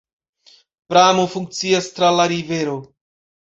Pramo funkcias tra la rivero.